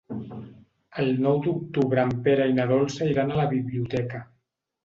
El nou d'octubre en Pere i na Dolça iran a la biblioteca.